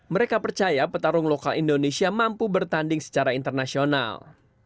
mereka percaya petarung lokal indonesia mampu bertanding secara internasional